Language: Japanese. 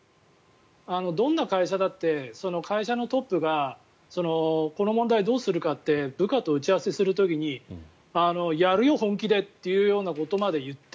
どんな会社だってその会社のトップがこの問題どうするかって部下と打ち合わせする時にやるよ、本気でっていうところまで言って